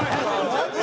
何？